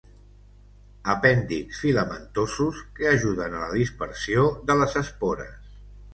Apèndixs filamentosos que ajuden a la dispersió de les espores.